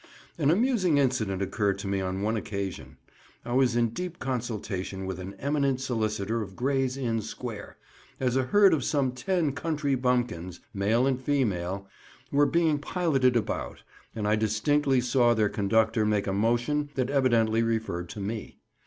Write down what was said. An amusing incident occurred to me on one occasion. I was in deep consultation with an eminent solicitor of Gray's Inn Square, as a herd of some ten country bumpkins, male and female, were being piloted about, and I distinctly saw their conductor make a motion that evidently referred to me.